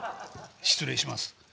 失礼します。